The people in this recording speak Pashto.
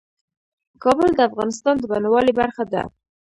کابل د افغانستان د بڼوالۍ برخه ده.